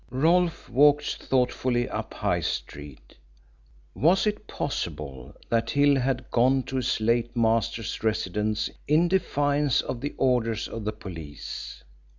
Rolfe walked thoughtfully up High Street. Was it possible that Hill had gone to his late master's residence in defiance of the orders of the police?